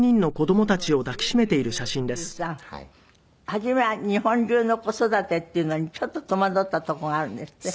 初めは日本流の子育てっていうのにちょっと戸惑ったとこがあるんですって？